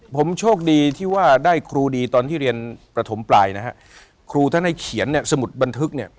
ผมโชคดีที่ว่าได้ครูดีตอนที่เรียนประถมปลายนะฮะครูท่านให้เขียนเนี่ยสมุดบันทึกเนี่ย